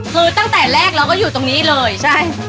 คือตั้งแต่แรกเราก็อยู่ตรงนี้เลยใช่